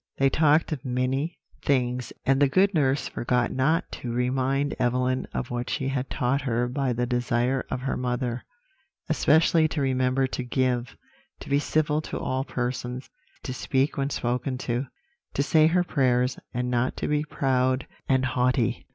They talked of many things; and the good nurse forgot not to remind Evelyn of what she had taught her by the desire of her mother; especially to remember to give; to be civil to all persons; to speak when spoken to; to say her prayers; and not to be proud and haughty.